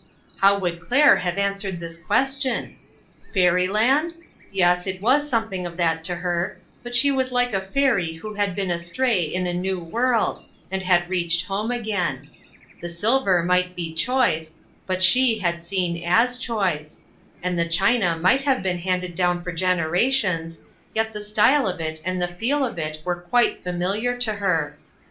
How would Claire have answered this ques tion ? "Fairyland?" yes, it was something of that to her, but she was like a fairy who had been astray in a new world, and had reached home again. The silver might be choice, but she had seen as choice, and the china might have been handed down for generations, yet the style of it and the feel of it were quite familiar to her.